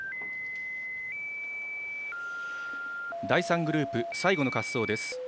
第３グループ、最後の滑走です。